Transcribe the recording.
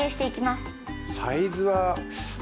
サイズは。